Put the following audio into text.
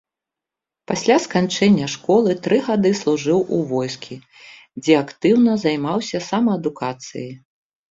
Пасля сканчэння школы тры гады служыў у войскі, дзе актыўна займаўся самаадукацыяй.